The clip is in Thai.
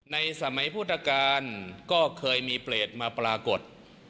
ในสมัยพุทธกาลก็เคยมีเปรตมาปรากฏ